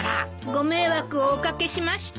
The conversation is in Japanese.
ご迷惑をお掛けしました。